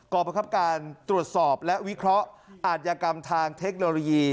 ประคับการตรวจสอบและวิเคราะห์อาจยากรรมทางเทคโนโลยี